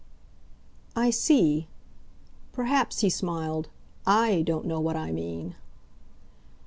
"I see. Perhaps," he smiled, "I don't know what I mean."